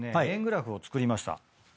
円グラフを作りました。